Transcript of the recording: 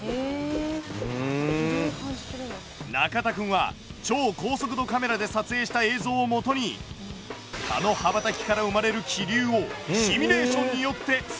中田くんは超高速度カメラで撮影した映像をもとに蚊の羽ばたきから生まれる気流をシミュレーションによって再現。